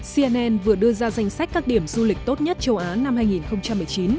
cnn vừa đưa ra danh sách các điểm du lịch tốt nhất châu á năm hai nghìn một mươi chín